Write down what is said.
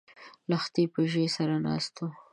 د لښتي په ژۍ سره ناست و